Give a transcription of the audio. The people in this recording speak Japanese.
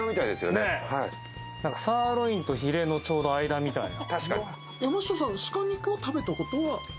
サーロインとヒレのちょうど間みたいな。